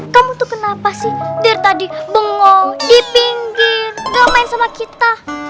kamu tuh kenapa sih dari tadi bengo di pinggir gak main sama kita